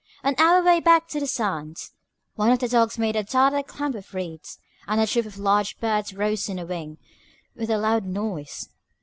On our way back from the sands, one of the dogs made a dart at a clump of reeds, and a troop of large birds rose on the wing with a loud noise.